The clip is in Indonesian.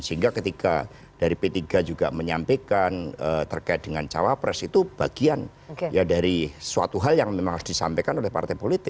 sehingga ketika dari p tiga juga menyampaikan terkait dengan cawapres itu bagian dari suatu hal yang memang harus disampaikan oleh partai politik